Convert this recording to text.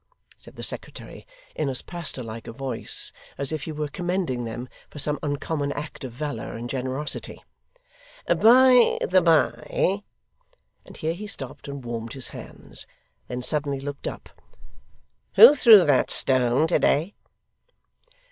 said the secretary, in as pastor like a voice as if he were commending them for some uncommon act of valour and generosity. 'By the bye' and here he stopped and warmed his hands: then suddenly looked up 'who threw that stone to day?